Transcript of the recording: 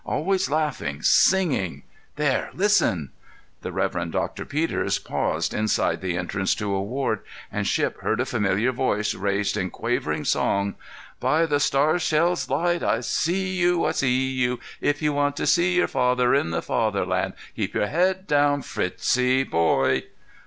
Always laughing, singing—There! Listen!" The Reverend Doctor Peters paused inside the entrance to a ward, and Shipp heard a familiar voice raised in quavering song: "By the star shell's light, I see you; I see you. If you want to see your father in the Fatherland, Keep your head down, Fritzie boy."